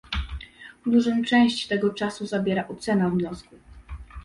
Dużą część tego czasu zabiera ocena wniosku